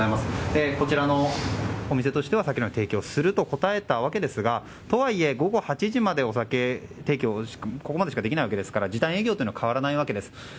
こちらのお店としては酒類の提供をすると答えたわけですがとはいえ、酒類提供がここまでしかできないわけですから時短営業には変わりないわけです。